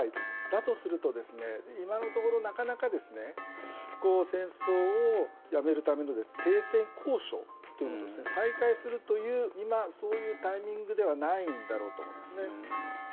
だとすると、今のところなかなか戦争をやめるための停戦交渉というものを再開するという今、そういうタイミングではないんだろうと思うんですね。